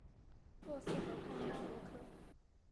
洛斯河畔拉罗科。